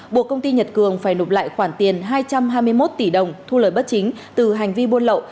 buộc công ty nhật cường phải nộp lại khoản tiền hai trăm hai mươi một tỷ đồng thu lời bất chính từ hành vi buôn lậu